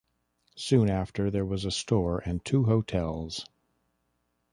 Soon after there was a store and two hotels.